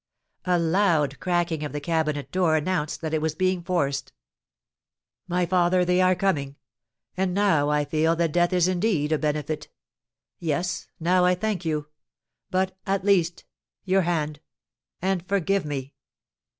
A loud cracking of the cabinet door announced that it was being forced. "My father, they are coming! Oh, now I feel that death is indeed a benefit. Yes, now I thank you! But, at least, your hand, and forgive me!"